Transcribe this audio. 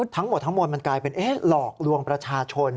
ทั้งหมดมันกลายเป็นหลอกลวงประชาชน